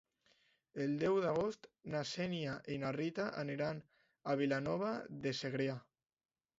El deu d'agost na Xènia i na Rita aniran a Vilanova de Segrià.